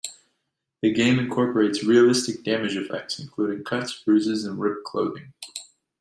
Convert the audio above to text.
The game incorporates realistic damage effects, including cuts, bruises, and ripped clothing.